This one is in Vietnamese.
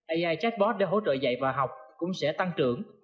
ai chatbot để hỗ trợ dạy và học cũng sẽ tăng trưởng